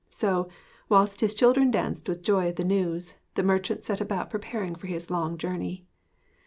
So, whilst his children danced with joy at the news, the merchant set about preparing for his long journey.